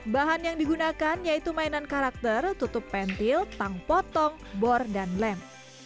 bahan yang digunakan yaitu mainan karakter tutup pentil tang potong bor dan lem